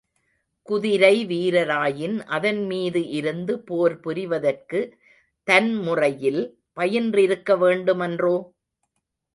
குதிரை வீரராயின் அதன் மீது இருந்து போர் புரிவதற்கு தன் முறையில், பயின்றிருக்கவேண்டுமன்றோ?